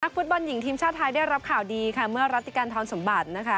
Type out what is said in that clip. ฟุตบอลหญิงทีมชาติไทยได้รับข่าวดีค่ะเมื่อรัติกันทรสมบัตินะคะ